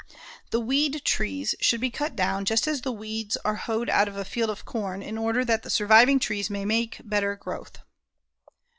The "weed trees" should be cut down, just as the weeds are hoed out of a field of corn, in order that the surviving trees may make better growth.